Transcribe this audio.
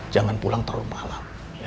jangan pulang terlalu malam